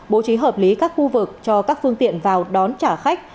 bố trí hợp lý các khu vực cho các phương tiện vào đón trả khách